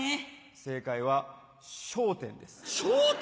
正解は『笑点』です。